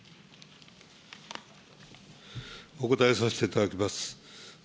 お答えさせていただきます。